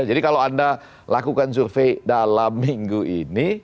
jadi kalau anda lakukan survei dalam minggu ini